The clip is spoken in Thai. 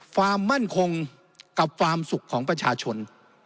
ความมั่นคงกับความสุขของประชาชน